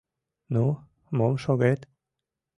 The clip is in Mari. Ну, мом шогет?